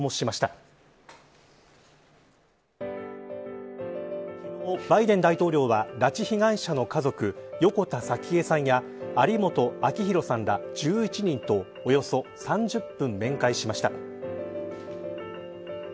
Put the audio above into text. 昨日、バイデン大統領は拉致被害者の家族横田早紀江さんや有本明弘さんら１１人とおよそ３０分面会しました。